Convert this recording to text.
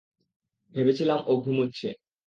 ভেবেছিলাম, ও ঘুমুচ্ছে!